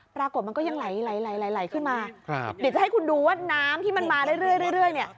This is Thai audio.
ปรากฏมันก็ยังไหลไหลขึ้นมาครับเดี๋ยวจะให้คุณดูว่าน้ำที่มันมาเรื่อยเนี่ย